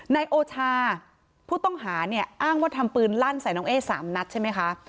นายโอชาผู้ต้องหาเนี่ยอ้างว่าทำปืนลั่นใส่น้องเอ๊๓นัดใช่ไหมคะ